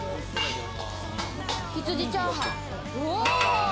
羊チャーハン？